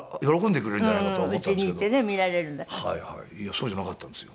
そうじゃなかったんですよ。